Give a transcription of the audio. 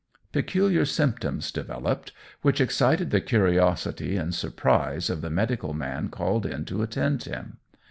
Peculiar symptoms developed, which excited the curiosity and surprise of the medical man called in to attend him.